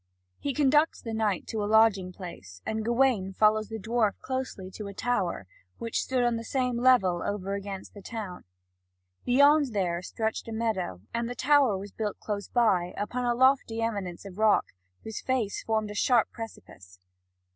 He conducts the knight to a lodging place; and Gawain follows the dwarf closely to a tower, which stood on the same level over against the town. Beyond there stretched a meadow, and the tower was built close by, up on a lofty eminence of rock, whose face formed a sharp precipice.